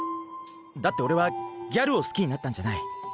だっておれはギャルをすきになったんじゃない。